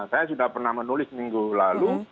saya sudah pernah menulis minggu lalu